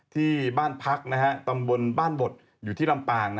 ที่บ้านพักตำบลบ้านบดอยู่ที่ลำปาง